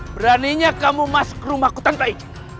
beraninya kamu masuk ke rumahku tante iji